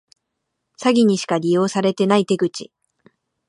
詐欺にしか利用されてない手口